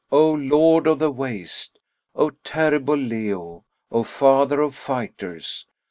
O Lord of the waste! O terrible Leo! O father of fighters!